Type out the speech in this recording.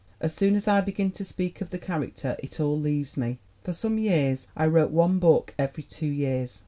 "As soon as I begin to speak of the character it all leaves me. For some years I wrote one book every two years.